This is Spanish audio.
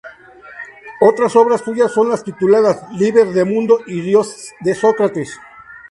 Otras obras suyas son las tituladas "Liber de mundo" y "Dios de Sócrates".